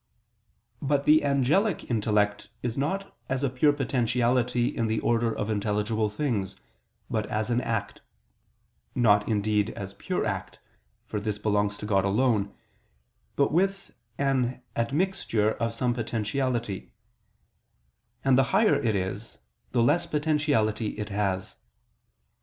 But the angelic intellect is not as a pure potentiality in the order of intelligible things, but as an act; not indeed as pure act (for this belongs to God alone), but with an admixture of some potentiality: and the higher it is, the less potentiality it has.